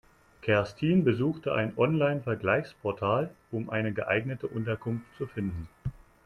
Kerstin besuchte ein Online-Vergleichsportal, um eine geeignete Unterkunft zu finden.